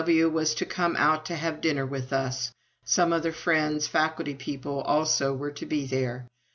W.W. was to come out to have dinner with us some other friends, faculty people, also were to be there.